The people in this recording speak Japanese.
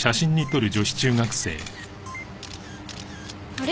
あれ？